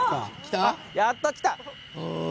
やっと来た。